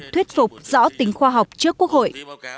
thuyết phục rõ tính khoa học trước quốc hội